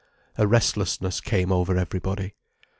A restlessness came over everybody.